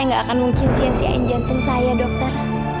saya gak akan mungkin siapkan jantung saya dokter